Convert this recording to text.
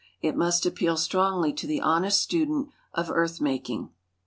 It must appeal strongly to the honest student of earth making.